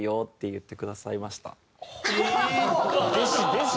弟子！